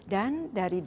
dan dari dunia